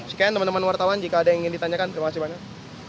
sekian teman teman wartawan jika ada yang ingin ditanyakan terima kasih banyak